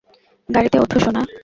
গাড়িতে উঠো, সোনা।